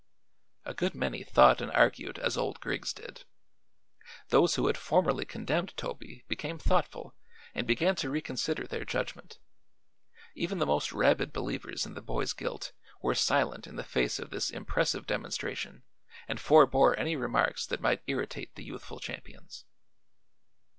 A good many thought and argued as old Griggs did; those who had formerly condemned Toby became thoughtful and began to reconsider their judgment; even the most rabid believers in the boy's guilt were silent in the face of this impressive demonstration and forbore any remarks that might irritate the youthful champions.